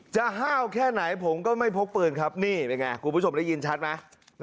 ห้าวแค่ไหนผมก็ไม่พกปืนครับนี่เป็นไงคุณผู้ชมได้ยินชัดไหม